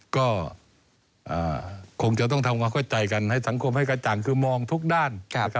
ก็คงจะต้องทำความเข้าใจกันให้สังคมให้กระจ่างคือมองทุกด้าน